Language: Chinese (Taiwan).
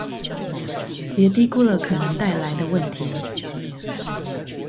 別低估了可能帶來的問題